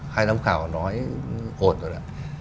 hai giám khảo nói ổn rồi đấy